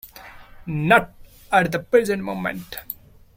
Not at the present moment.